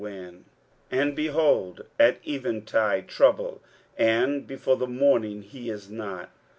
23:017:014 And behold at eveningtide trouble; and before the morning he is not.